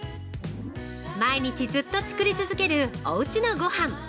◆毎日ずっと作り続けるおうちのごはん。